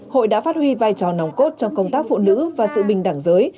hội đã phát huy vai trò nòng cốt trong công tác phụ nữ và sự bình đẳng giới